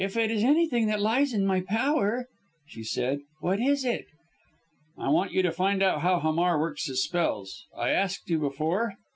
"If it is anything that lies in my power," she said. "What is it?" "I want you to find out how Hamar works his spells. I asked you before?"